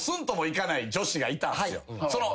いたんすよ。